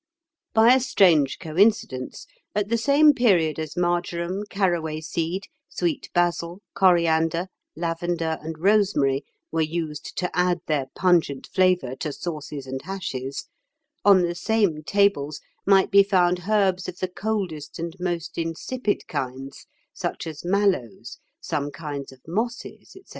] By a strange coincidence, at the same period as marjoram, carraway seed, sweet basil, coriander, lavender, and rosemary were used to add their pungent flavour to sauces and hashes, on the same tables might be found herbs of the coldest and most insipid kinds, such as mallows, some kinds of mosses, &c.